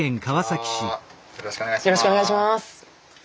よろしくお願いします。